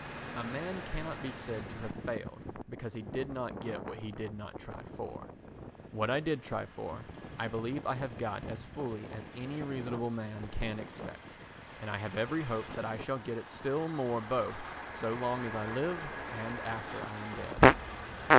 A man cannot be said to have failed, because he did not get what he did not try for. What I did try for I believe I have got as fully as any reasonable man can expect, and I have every hope that I shall get it still more both so long as I live and after I am dead.